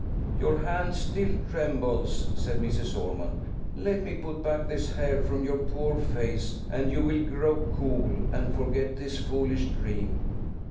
"Your hand still trembles," said Mrs. Ormond; "let me put back this hair from your poor face, and you will grow cool, and forget this foolish dream."